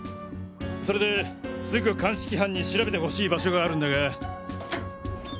それですぐ鑑識班に調べて欲しい場所があるんだが。